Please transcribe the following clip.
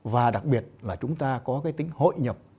và đặc biệt là chúng ta có cái tính hội nhập